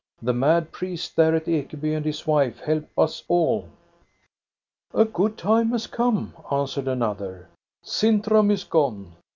The mad priest there at Ekeby and his wife help us all." "A good time has come," answered another. " Sintram is gone.